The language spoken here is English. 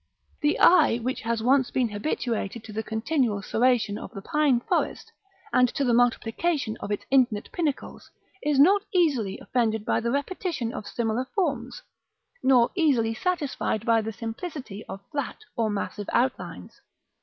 The eye which has once been habituated to the continual serration of the pine forest, and to the multiplication of its infinite pinnacles, is not easily offended by the repetition of similar forms, nor easily satisfied by the simplicity of flat or massive outlines.